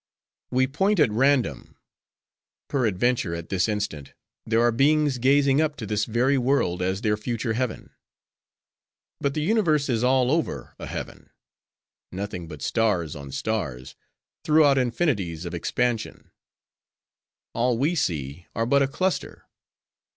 "'We point at random. Peradventure at this instant, there are beings gazing up to this very world as their future heaven. But the universe is all over a heaven: nothing but stars on stars, throughout infinities of expansion. All we see are but a cluster.